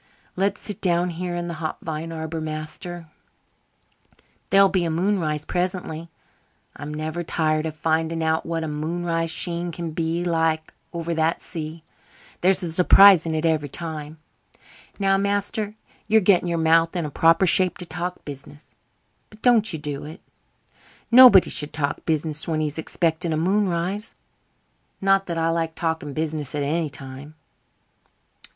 Let's sit down here in the hop vine arbour, master. There'll be a moonrise presently. I'm never tired of finding out what a moonrise sheen can be like over that sea. There's a surprise in it every time. Now, master, you're getting your mouth in the proper shape to talk business but don't you do it. Nobody should talk business when he's expecting a moonrise. Not that I like talking business at any time."